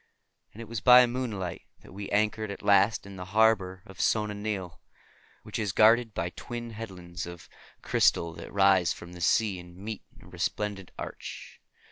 And it was by moonlight that we anchored at last in the harbor of Sona Nyl, which is guarded by twin headlands of crystal that rise from the sea and meet in a resplendent, arch.